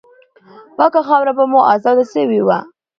پاکه خاوره به مو آزاده سوې وه.